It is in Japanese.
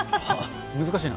難しいな。